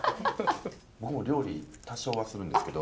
僕も料理多少はするんですけど。